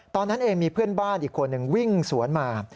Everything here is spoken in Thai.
ตอนนั้นเองมีเพื่อนบ้านอีกคนหนึ่งวิ่งสวนมา